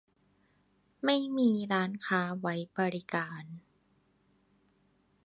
ไม่มีร้านค้าไว้บริการ